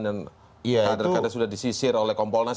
yang kadang kadang sudah disisir oleh kompolnas